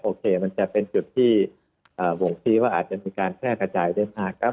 โอเคมันจะเป็นจุดที่อ่าวงฤทธิ์ว่าอาจจะมีการแค่กระจายด้วยภาคครับ